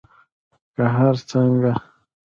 که هر څنګه